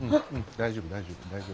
大丈夫大丈夫。